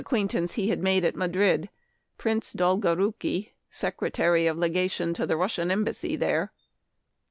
quaintance he had made at Madrid — Prince Dolgorouki, Secretary of Legation to the Rus sian embassy there.